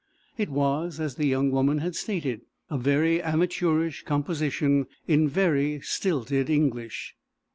It was, as the young woman had stated, a very amateurish composition, in very stilted English.